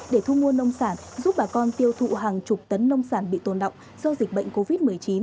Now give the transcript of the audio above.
để thu mua nông sản giúp bà con tiêu thụ hàng chục tấn nông sản bị tồn động do dịch bệnh covid một mươi chín